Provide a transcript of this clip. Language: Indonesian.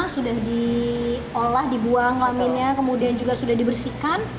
sudah diolah dibuang laminnya kemudian juga sudah dibersihkan